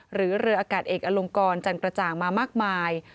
หรือเรืออากาศเอกอลงกรจันกระจ่างมามากมาย